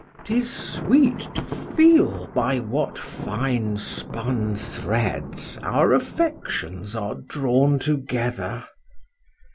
'Tis sweet to feel by what fine spun threads our affections are drawn together.